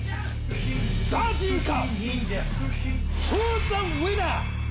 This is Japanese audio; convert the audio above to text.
ＺＡＺＹか？